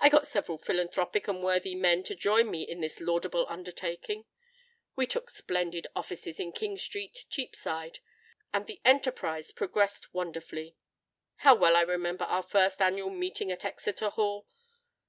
I got several philanthropic and worthy men to join me in this laudable undertaking: we took splendid offices in King Street, Cheapside; and the enterprise progressed wonderfully. How well I remember our first annual meeting at Exeter Hall!